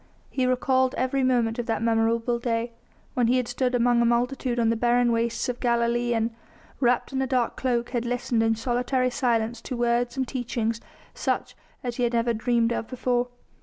He recalled every moment of that memorable day when he had stood among a multitude on the barren wastes of Galilee and, wrapped in a dark cloak, had listened in solitary silence to words and teachings such as he had never dreamed of before.